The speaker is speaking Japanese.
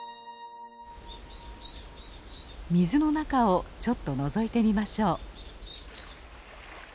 水の中をちょっとのぞいてみましょう。